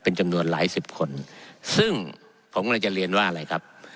เป็นจำนวนหลายสิบคนซึ่งผมกำลังจะเรียนว่าอะไรครับ